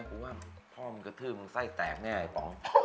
กูว่าพ่อมันกระทืบมึงไส้แตกแน่ไอ้ป๋อง